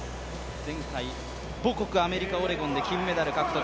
前回母国、アメリカオレゴンで金メダル獲得。